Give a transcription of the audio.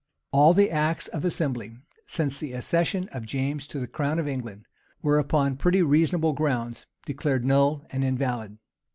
All the acts of assembly, since the accession of James to the crown of England, were, upon pretty reasonable grounds, declared null and invalid.